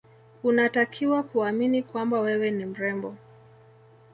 unatakiwa kuamini kwamba wewe ni mrembo